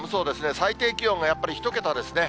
最低気温がやっぱり１桁ですね。